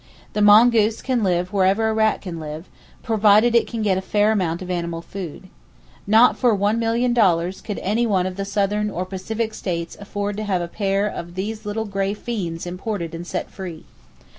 The mongoose can live wherever a rat can live, provided it can get a fair amount of animal food. Not for $1,000,000 could any one of the southern or Pacific states afford to have a pair of these little gray fiends imported and set free.